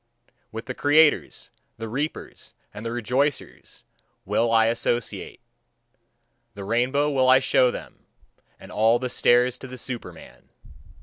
With the creators, the reapers, and the rejoicers will I associate: the rainbow will I show them, and all the stairs to the Superman.